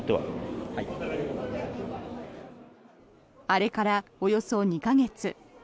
あれからおよそ２か月。